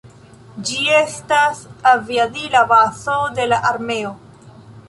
Ĝi estas aviadila bazo de la armeo.